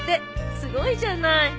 すごいじゃない。